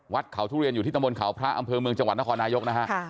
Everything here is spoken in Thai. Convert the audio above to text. วัดเขาทุเรียนอยู่ที่ตำบลเขาพระอำเภอเมืองจังหวัดนครนายกนะฮะ